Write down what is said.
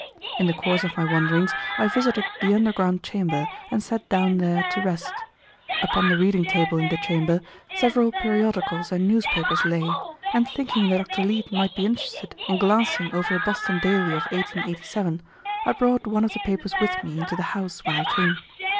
In the course of my wanderings I visited the underground chamber, and sat down there to rest. Upon the reading table in the chamber several periodicals and newspapers lay, and thinking that Dr. Leete might be interested in glancing over a Boston daily of 1887, I brought one of the papers with me into the house when I came.